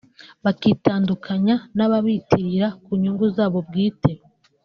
bakitandukanya n’ababiyitirira ku nyungu zabo bwite